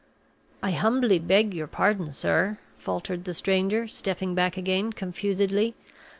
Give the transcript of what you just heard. "I humbly beg your pardon, sir," faltered the stranger, stepping back again, confusedly.